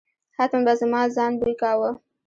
حتمآ به زما ځان بوی کاوه.